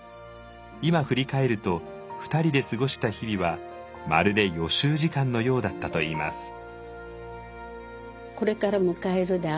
今振り返ると２人で過ごした日々はまるで予習時間のようだったといいます。